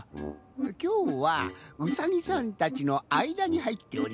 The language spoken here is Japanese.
きょうはうさぎさんたちのあいだにはいっております。